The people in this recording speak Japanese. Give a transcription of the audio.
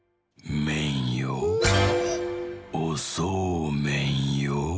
おそうめんよ』」。